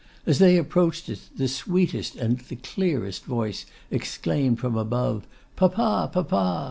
As they approached it, the sweetest and the clearest voice exclaimed from above, 'Papa! papa!